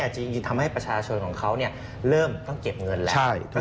จึงทำให้ประชาชนของเขาเริ่มต้องเก็บเงินแล้ว